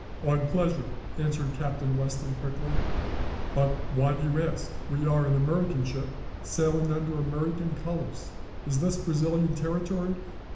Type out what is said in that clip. "On pleasure," answered Captain Weston quickly. "But why do you ask? We are an American ship, sailing under American colors. Is this Brazilian territory?"